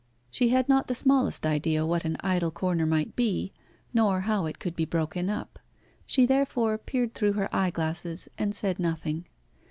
She had not the smallest idea what an idle corner might be, nor how it could be broken up. She therefore peered through her eyeglasses and said nothing.